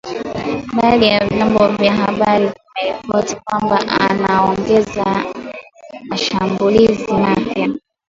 Baadhi ya vyombo vya habari vimeripoti kwamba anaongoza mashambulizi mapya